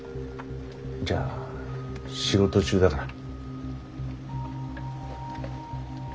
じゃあ仕事中だから。